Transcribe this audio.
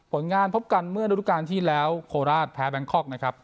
ผลงานพบกันเมื่อฤดูการที่แล้วโคราชแพ้แบงคอกนะครับ